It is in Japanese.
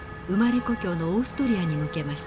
故郷のオーストリアに向けました。